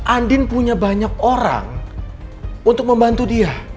andin punya banyak orang untuk membantu dia